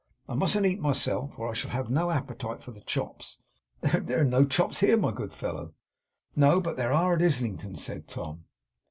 I mustn't eat myself, or I shall have no appetite for the chops.' 'There are no chops here, my food fellow.' 'No. But there are at Islington,' said Tom.